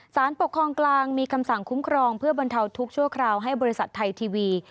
สารปกครองกลางมีคำสั่งคุ้มครองเพื่อบรรเทาทุกข์ชั่วคราวให้บริษัทไทยทีวี